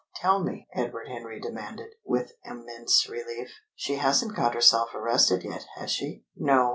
"Tell me," Edward Henry demanded, with immense relief. "She hasn't got herself arrested yet, has she?" "No.